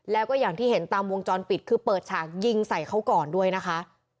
แล้วก็อย่างที่เห็นตามวงจรปิดคือเปิดฉากยิงใส่เขาก่อนด้วยนะคะ